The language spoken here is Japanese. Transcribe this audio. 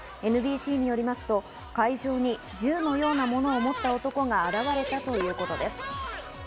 ＮＢＣによりますと会場に銃のようなものを持った男が現れたということです。